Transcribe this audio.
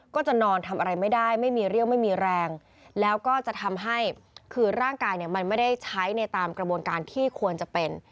ก็จะนอนทำอะไรไม่ได้ไม่มีเรี่ยวไม่มีแรงแล้วก็จะทำให้คือร่างกายเนี่ยมันไม่ได้ใช้ในตามกระบวนการที่ควรจะเป็น